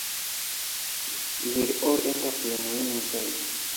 We will all end up in the winning side.